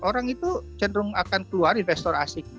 orang itu cenderung akan keluar investor asing